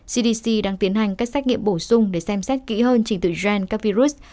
cdc đang tiến hành các xét nghiệm bổ sung để xem xét kỹ hơn trình tựu gene các virus